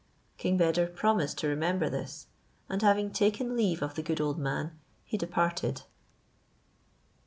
King Beder promised to remember this; and having taken leave of the good old man, he departed.